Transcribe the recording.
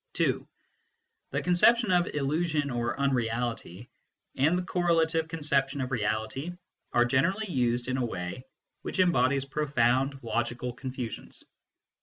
(2) The conception of " illusion " or " unreality," and the correlative conception of " reality," are generally used in a way which embodies profound logical con fusions.